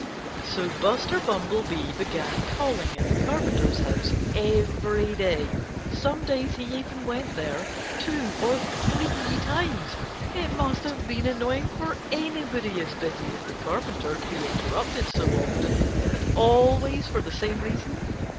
So Buster Bumblebee began calling at the Carpenter's house every day. Some days he even went there two or three times. It must have been annoying for anybody as busy as the Carpenter to be interrupted so often and always for the same reason.